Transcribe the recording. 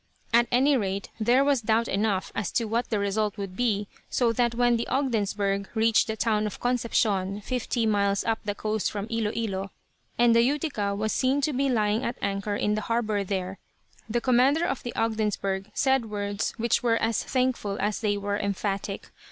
At any rate there was doubt enough as to what the result would be so that when the Ogdensburgh reached the town of Concepcion, fifty miles up the coast from Ilo Ilo, and the Utica was seen to be lying at anchor in the harbour there, the commander of the Ogdensburgh said words which were as thankful as they were emphatic.